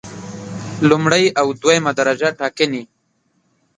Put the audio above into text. لومړی او دویمه درجه ټاکنې